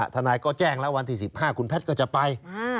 ทนายก็แจ้งแล้ววันที่๑๕คุณแพทย์ก็จะไป